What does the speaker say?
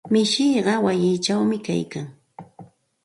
Mishiqa wayichawmi kaykan.